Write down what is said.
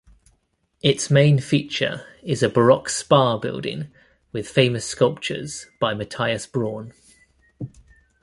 Its main feature is a baroque spa building with famous sculptures by Matthias Braun.